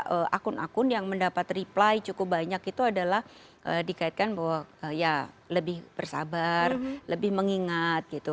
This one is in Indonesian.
jadi beberapa akun akun yang mendapat reply cukup banyak itu adalah dikaitkan bahwa ya lebih bersabar lebih mengingat gitu